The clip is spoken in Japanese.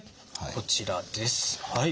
こちらです。